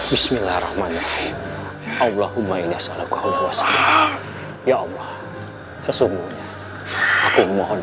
bismillahirrahmanirrahim allahumma inna salli wa sallam ya allah sesungguhnya aku mohon